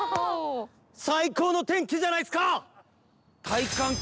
最高の天気じゃないっすか！